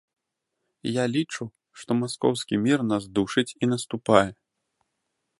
Я лічу, што маскоўскі мір нас душыць і наступае.